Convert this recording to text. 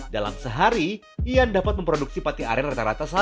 dalam sehari ian dapat memproduksi pate aren rata rata satu lima kuintal